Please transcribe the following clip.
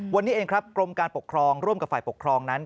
วันนี้เองครับกรมการปกครองร่วมกับฝ่ายปกครองนั้น